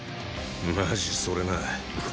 マジそれな。